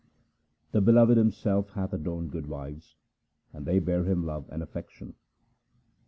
The Beloved Himself hath adorned good wives, and they bear Him love and affection.